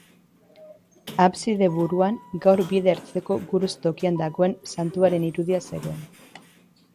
Abside buruan, gaur bide-ertzeko gurutz-tokian dagoen Santuaren irudia zegoen.